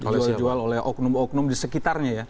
dijual jual oleh oknum oknum di sekitarnya ya